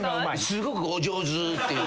すごくお上手っていうか。